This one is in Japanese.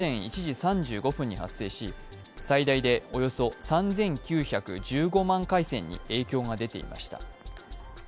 通信障害は２日の午前１時３５分に発生し最大でおよそ３９１５万回線に影響が出ていました。